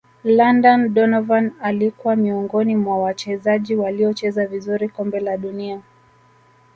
london donovan alikwa miongoni mwa wachezaji waliocheza vizuri kombe la dunia